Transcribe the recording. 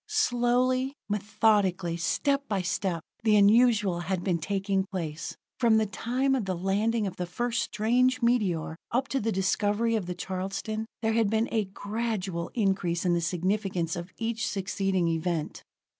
Slowly, methodically, step by step, the unusual had been taking place. From the time of the landing of the first strange meteor, up to the discovery of the Charleston, there had been a gradual increase in the significance of each succeeding event.